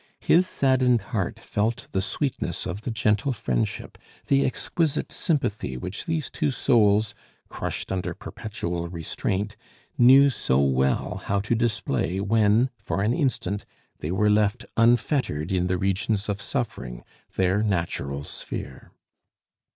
His saddened heart felt the sweetness of the gentle friendship, the exquisite sympathy which these two souls, crushed under perpetual restraint, knew so well how to display when, for an instant, they were left unfettered in the regions of suffering, their natural sphere.